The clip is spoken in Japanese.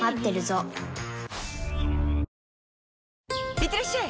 いってらっしゃい！